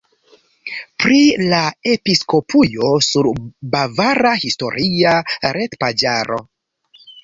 Pri la episkopujo sur bavara historia retpaĝaro.